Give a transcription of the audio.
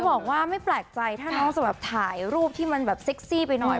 บอกว่าไม่แปลกใจถ้าน้องจะแบบถ่ายรูปที่มันแบบเซ็กซี่ไปหน่อย